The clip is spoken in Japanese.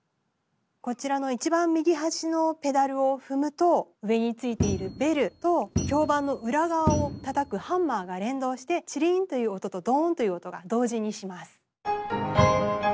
こちらのいちばん右端のペダルを踏むと上についているベルと響板の裏側をたたくハンマーが連動してチリンという音とドーンという音が同時にします。